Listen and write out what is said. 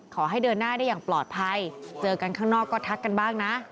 ขอให้เดินหน้าได้อย่างปลอดภัยเจอกันข้างนอกก็ทักกันบ้างนะ